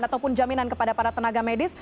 ataupun jaminan kepada para tenaga medis